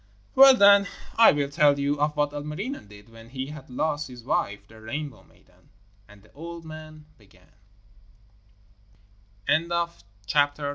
'Well, then, I will tell you of what Ilmarinen did when he had lost his wife, the Rainbow maiden,' and the old man began.